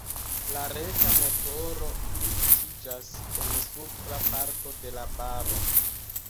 La reta motoro lokiĝas en supra parto de la baro.